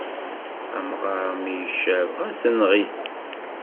Amɣaṛ mi yecab, xas enɣ-it.